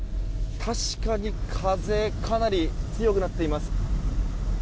確かに風かなり強くなっています。